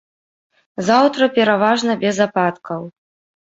Заўтра пераважна без ападкаў.